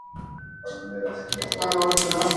La sátira se realiza mediante el disfraz.